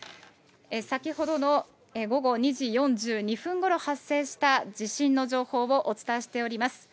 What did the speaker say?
先ほどの午後２時４２分ごろ発生した地震の情報をお伝えしております。